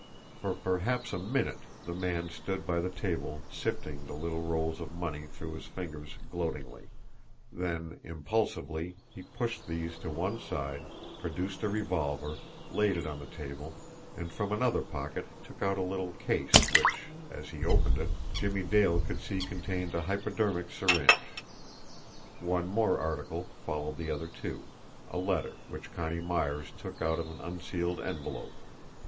For perhaps a minute the man stood by the table sifting the little rolls of money through his fingers gloatingly then, impulsively, he pushed these to one side, produced a revolver, laid it on the table, and from another pocket took out a little case which, as he opened it, Jimmie Dale could see contained a hypodermic syringe. One more article followed the other two a letter, which Connie Myers took out of an unsealed envelope.